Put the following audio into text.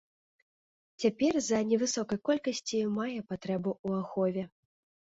Цяпер з-за невысокай колькасць мае патрэбу ў ахове.